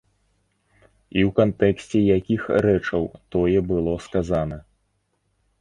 І ў кантэксце якіх рэчаў тое было сказана.